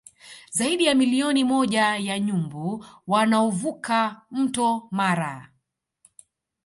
Zaidi ya milioni moja ya nyumbu wanaovuka mto Mara